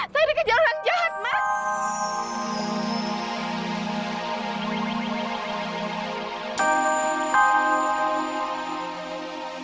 saya dikejar orang jahat mas